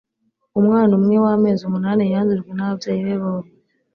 umwana umwe w'amezi umunani yandujwe naba byeyi be bombi